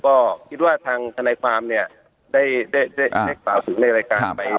ก็คิดว่าทางทันัยความเนี่ยได้ได้ได้ได้ข่าวถึงในรายการไป